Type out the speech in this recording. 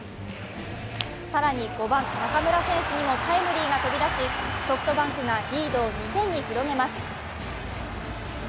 更に、５番・中村選手にもタイムリーが飛び出し、ソフトバンクがリードを２点に広げます。